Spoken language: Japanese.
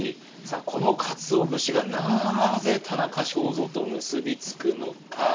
このかつお節がなぜ田中正造と結び付くのか。